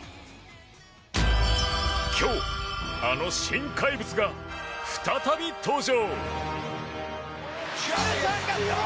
今日、あの新怪物が再び登場。